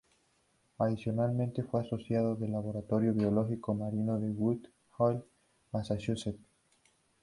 Adicionalmente fue asociado del Laboratorio Biológico Marino en Wood Hole, Massachusetts.